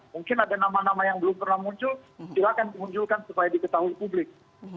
mungkin ada nama nama yang belum pernah muncul silakan dimunculkan supaya diketahui publik